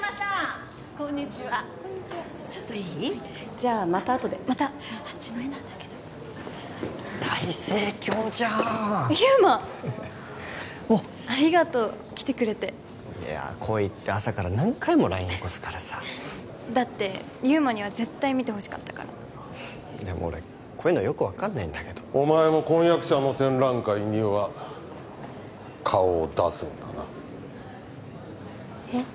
じゃあまたあとでまた・あっちの絵なんだけど大盛況じゃん祐馬おっありがとう来てくれていや来いって朝から何回もＬＩＮＥよこすからさだって祐馬には絶対見てほしかったからでも俺こういうのよく分かんないんだけどお前も婚約者の展覧会には顔を出すんだなえっ？